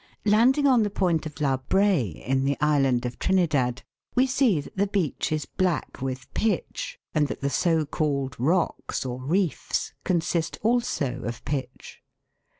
Landing on the point of La Brea, in the island of Trinidad, we see that the beach is black with pitch, and that the so called rocks, or reefs, consist also of pitch.